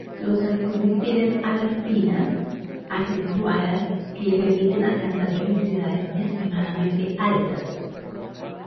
Los halcones tienen alas finas, acentuadas, que les permiten alcanzar velocidades extremadamente altas.